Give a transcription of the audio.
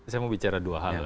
saya mau bicara dua hal